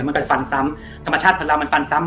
มันก็จะฟันซ้ำธรรมชาติคนเรามันฟันซ้ำ